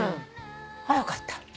あーよかった。